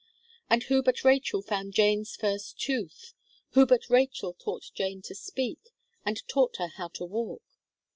And who but Rachel found Jane's first tooth? Who but Rachel taught Jane to speak; and taught her how to walk?